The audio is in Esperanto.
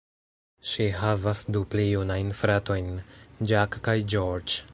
Ŝi havas du pli junajn fratojn, Jack kaj George.